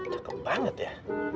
cakep banget ya